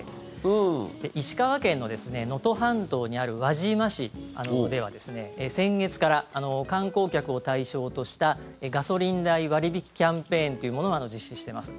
石川県の能登半島にある輪島市では先月から観光客を対象としたガソリン代割引キャンペーンというのを実施しています。